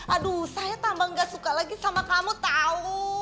aduh saya tambah gak suka lagi sama kamu tahu